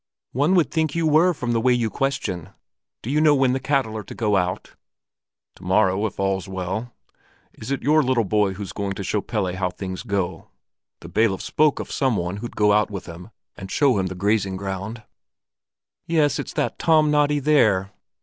"One would think you were from the way you question. Do you know when the cattle are to go out?" "To morrow, if all's well. Is it your little boy who's going to show Pelle how things go? The bailiff spoke of some one who'd go out with him and show him the grazing ground." "Yes, it's that Tom Noddy there.